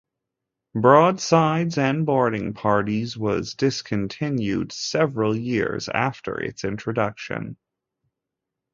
"Broadsides and Boarding Parties" was discontinued several years after its introduction.